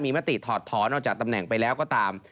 มีมติถอดถอนออกจากตำแหน่งไปแล้วก็ตาม